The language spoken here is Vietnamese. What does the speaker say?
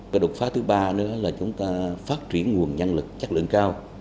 cái đột phá thứ ba nữa là chúng ta phát triển nguồn nhân lực chất lượng cao